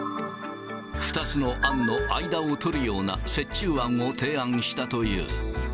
２つの案の間を取るような折衷案を提案したという。